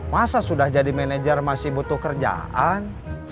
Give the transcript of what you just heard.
masa sudah jadi manajer masih butuh kerjaan